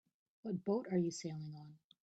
What boat you sailing on?